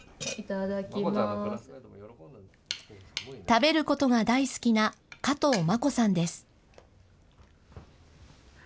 食べることが大好きな加藤真心さんです。